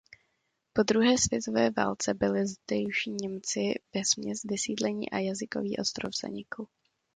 Po druhé světové válce byli zdejší Němci vesměs vysídleni a jazykový ostrov zanikl.